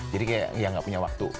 jadi kayak ya gak punya waktu